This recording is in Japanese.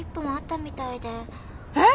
えっ！？